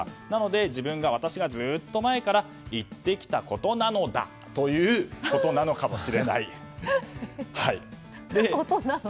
なので、私がずっと前から言ってきたことなのだということなのかもしれない。